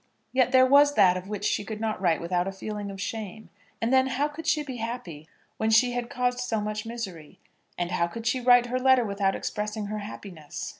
Yet there was that of which she could not write without a feeling of shame. And then, how could she be happy, when she had caused so much misery? And how could she write her letter without expressing her happiness?